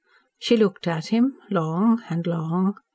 "She looked at him long and long.